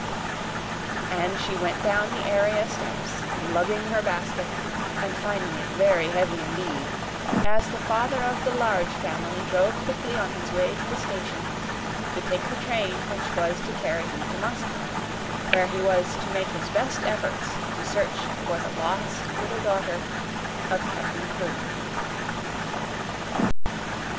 And she went down the area steps, lugging her basket and finding it very heavy indeed, as the father of the Large Family drove quickly on his way to the station to take the train which was to carry him to Moscow, where he was to make his best efforts to search for the lost little daughter of Captain Crewe.